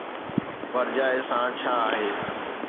ورجائي سان ڇا آهي؟